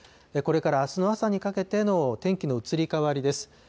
これからあすの朝にかけての天気の移り変わりです。